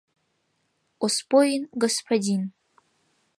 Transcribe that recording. Оспоин — господин.